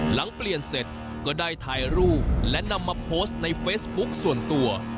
หลังเปลี่ยนเสร็จก็ได้ถ่ายรูปและนำมาโพสต์ในเฟซบุ๊คส่วนตัว